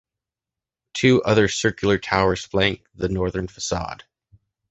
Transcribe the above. Two other circular towers flank the northern façade.